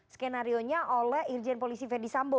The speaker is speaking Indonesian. skenarionya oleh irjen polisi ferdis sambo